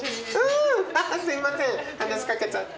すいません話し掛けちゃって。